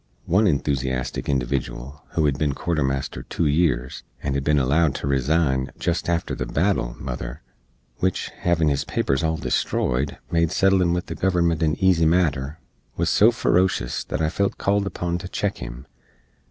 One enthoosiastic individual, who hed bin quartermaster two years, and hed bin allowed to resign "jest after the battle, mother," wich, hevin his papers all destroyed, made settlin with the government a easy matter, wuz so feroshus that I felt called upon to check him.